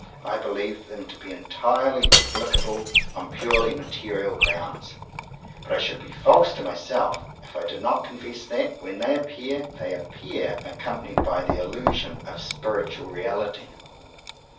I believe them to be entirely explicable on purely material grounds; but I should be false to myself if I did not confess that, when they appear, they appear accompanied by the illusion of spiritual reality.